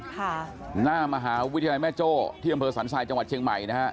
ฮะหน้ามหาวิทยาลัยแม่โจ้ที่ดำเภอสรรพรรย์ไซต์จังหวัดเฉียงใหม่นะฮะ